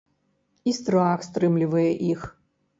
І страх стрымлівае іх.